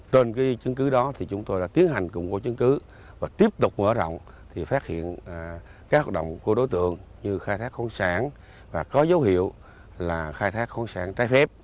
trên cái chứng cứ đó thì chúng tôi đã tiến hành cùng có chứng cứ và tiếp tục mở rộng thì phát hiện các hoạt động của đối tượng như khai thác khu không sản và có dấu hiệu là khai thác khu không sản trái phép